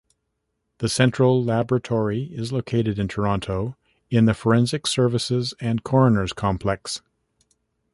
The central laboratory is located in Toronto, in the Forensic Services and Coroner's Complex.